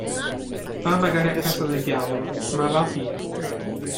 Va magari a casa del diavolo, ma va via.